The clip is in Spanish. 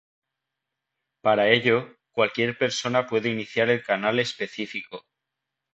Para ello, cualquier persona puede iniciar el canal específico.